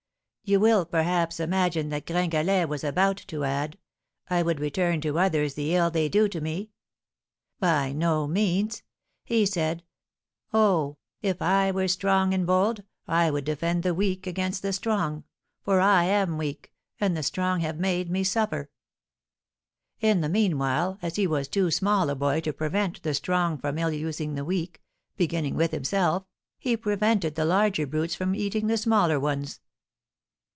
You will, perhaps, imagine that Gringalet was about to add, 'I would return to others the ill they do to me?' By no means. He said,' Oh, if I were strong and bold, I would defend the weak against the strong, for I am weak, and the strong have made me suffer!' In the meanwhile, as he was too small a boy to prevent the strong from ill using the weak, beginning with himself, he prevented the larger brutes from eating the smaller ones."